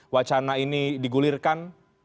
wacana ini digulirkan